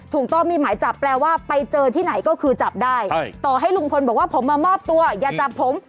ถูกต้องมีหมายจับแปลว่าไปเจอที่ไหนก็คือจับได้ต่อให้ลุงพลบอกว่าผมมามอบตัวอย่าจับผม